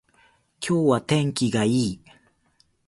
今日は天気がいい